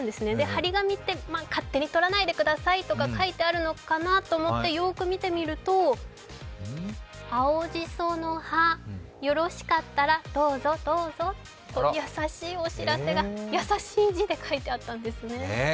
貼り紙って勝手に取らないでくださいとか書いてあるのかなと思ってよーく見てみると、「青じその葉よろしかったらどうぞ、どうぞ」と優しいお知らせが優しい字で書いてあったんですね。